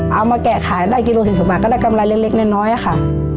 เอามาแกะขายได้กิโลเศษุมันก็ได้กำไรเล็กน้อยค่ะ